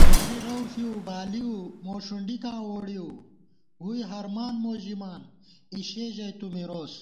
وارِی رَوݪِؤ بالِؤ، موݭُنڈیکاں ووڑِؤ * ووئی ہرمان مو ژِمان، اِشے ژَئی تُو مِروس